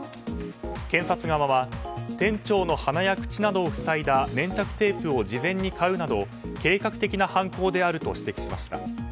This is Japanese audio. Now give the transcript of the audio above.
検察側は店長の鼻や口などを塞いだ粘着テープを事前に買うなど計画的な犯行であると指摘しました。